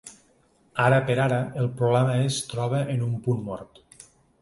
Ara per ara, el problema es troba en un punt mort.